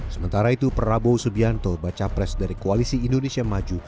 sementara itu prabowo subianto baca pres dari koalisi indonesia maju